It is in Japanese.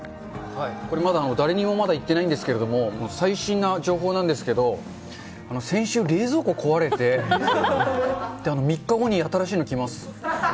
これ、まだ、誰にもまだ言ってないんですけども、最新な情報なんですけど、先週、冷蔵庫壊れて、３日後に新しいの来ます。